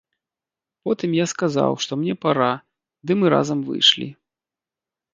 Потым я сказаў, што мне пара, ды мы разам выйшлі.